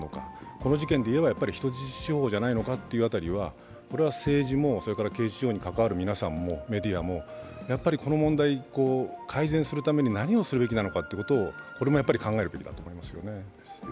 この事件でいえば、やっぱり人質司法じゃないかっていうことで政治も刑事司法に関わる皆さんもメディアもやっぱりこの問題、改善するために何をすべきなのか、これも考えるべきだと思うんですね。